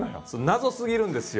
謎すぎるんですよ。